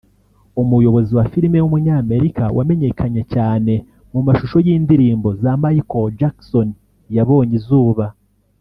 umuyobozi wa film w’umunyamerika wamenyekanye cyane mu mashusho y’indirimbo za Michael Jackson yabonye izuba